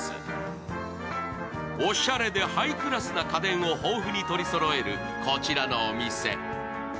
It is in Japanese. おしゃれでハイクラスな家電を豊富に取りそろえるこちらのお店。